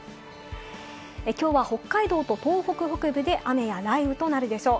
きょうは北海道と東北北部で雨や雷雨となるでしょう。